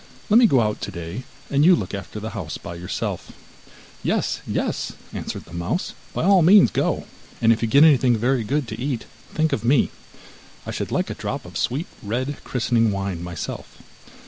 Let me go out today, and you look after the house by yourself.' 'Yes, yes,' answered the mouse, 'by all means go, and if you get anything very good to eat, think of me. I should like a drop of sweet red christening wine myself.